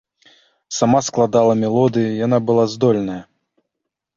Сама складала мелодыі, яна была здольная.